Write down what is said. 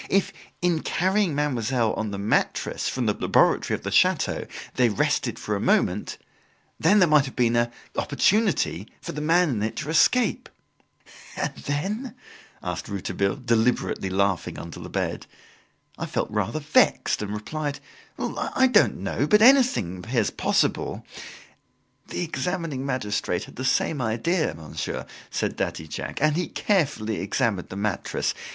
If, in carrying Mademoiselle on the mattress from the laboratory of the chateau, they rested for a moment, there might have been an opportunity for the man in it to escape. "And then?" asked Rouletabille, deliberately laughing under the bed. I felt rather vexed and replied: "I don't know, but anything appears possible" "The examining magistrate had the same idea, monsieur," said Daddy Jacques, "and he carefully examined the mattress.